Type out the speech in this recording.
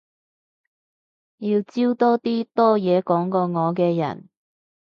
要招多啲多嘢講過我嘅人